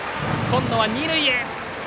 今野は二塁へ！